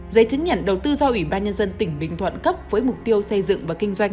giấy chứng nhận đầu tư do ủy ban nhân dân tỉnh bình thuận cấp với mục tiêu xây dựng và kinh doanh